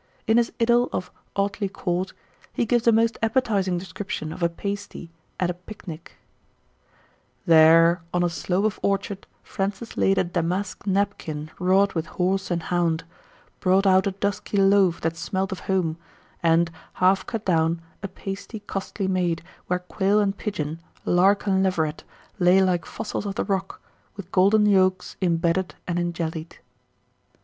In his idyl of "Audley Court" he gives a most appetizing description of a pasty at a pic nic: "There, on a slope of orchard, Francis laid A damask napkin wrought with horse and hound; Brought out a dusky loaf that smelt of home, And, half cut down, a pasty costly made, Where quail and pigeon, lark and leveret, lay Like fossils of the rock, with golden yolks Imbedded and injellied."